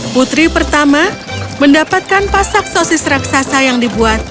putri pertama mendapatkan pasak sosis raksasa yang dibuat